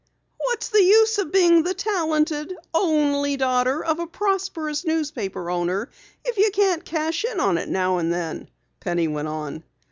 "What's the use of being the talented, only daughter of a prosperous newspaper owner if you can't cash in on it now and then?" Penny went on.